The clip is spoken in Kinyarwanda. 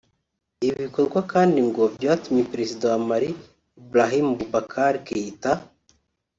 Ibi bikorwa kandi ngo byatumye perezida wa Mali Ibrahim Boubacar Keita